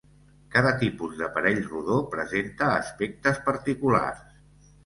Cada tipus d'aparell rodó presenta aspectes particulars.